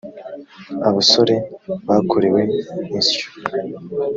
abasore bakorewe insyo.